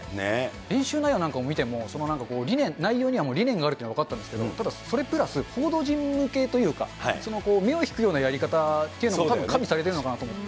練習内容なんかを見ても、理念、内容には理念があるというのが分かったんですけど、それプラス報道陣向けというか、目を引くようなやり方っていうのも加味されてるのかなと思って。